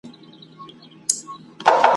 د خرقې د پېرودلو عقل خام دی ,